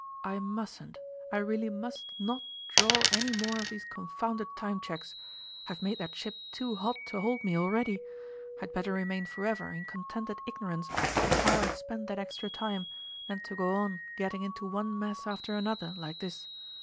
I mustn't I really must not draw any more of these con founded time cheques. I've made that ship too hot to hold me already ! I'd better remain forever in contented ignorance of how I spent that extra time, than to go on getting into one mess after another like this